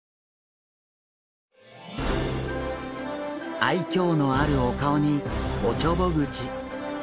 愛嬌のあるお顔におちょぼ口。